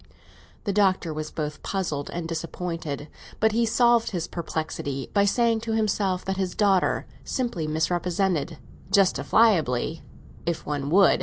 The Doctor was both puzzled and disappointed, but he solved his perplexity by saying to himself that his daughter simply misrepresented—justifiably, if one would?